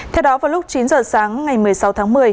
theo đó vào lúc chín giờ sáng ngày một mươi sáu tháng một mươi